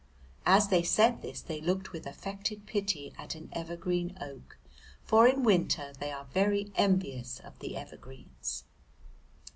As they said this they looked with affected pity at an evergreen oak, for in winter they are very envious of the evergreens.